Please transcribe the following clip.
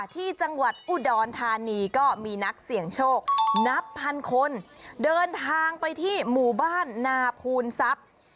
ที่จังหวัดอุดรธานีก็มีนักเสี่ยงโชคนับพันคนเดินทางไปที่หมู่บ้านนาภูนทรัพย์